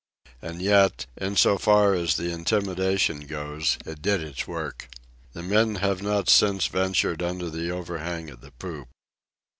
And yet, in so far as the intimidation goes, it did its work. The men have not since ventured under the overhang of the poop.